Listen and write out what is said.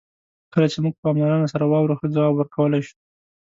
کله چې موږ په پاملرنه سره واورو، ښه ځواب ورکولای شو.